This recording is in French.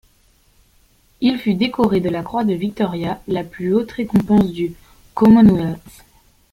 Il fut décoré de la Croix de Victoria, la plus haute récompense du Commonwealth.